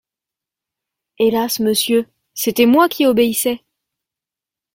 Hélas ! monsieur, c'était moi qui obéissais.